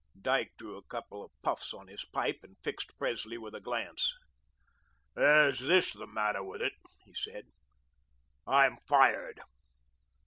Dyke drew a couple of puffs on his pipe, and fixed Presley with a glance. "There's this the matter with it," he said; "I'm fired."